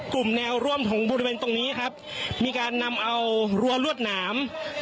กลุ่มแนวร่วมของบริเวณตรงนี้ครับมีการนำเอารั้วรวดหนาม